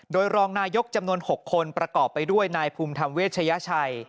โดยรองนายกจำนวน๖คนประกอบไปด้วยนายภูมิธรรมเวชยชัย